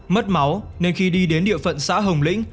mất máu nên khi đi đến địa phận xã hồng lĩnh